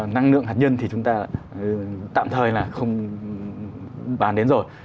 năng lượng hạt nhân thì chúng ta tạm thời là không bán đến rồi